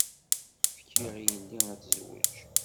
Fkiɣ yelli ad tezweǧ.